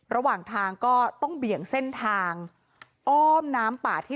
ระหว่างทางก็ต้องเบี่ยงเส้นทางอ้อมน้ำป่าที่